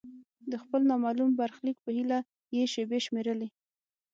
د خپل نامعلوم برخلیک په هیله یې شیبې شمیرلې.